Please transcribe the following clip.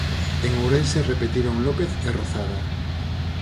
En Ourense repetiron López e Rozada.